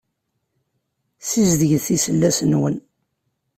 Sizedget iselas-nwen.